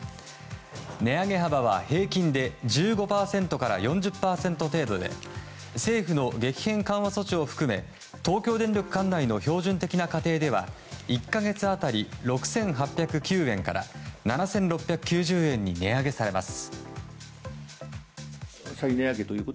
値上げ幅は平均で１５％から４０％程度で政府の激変緩和措置を含め東京電力管内の標準的な家庭では１か月当たり６８０９円から７６９０円に値上げされます。